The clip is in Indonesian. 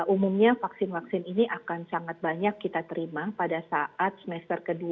umumnya vaksin vaksin ini akan sangat banyak kita terima pada saat semester kedua